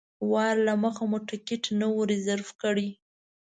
وار له مخه مو ټکټ نه و ریزرف کړی.